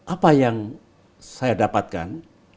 apa yang saya dapatkan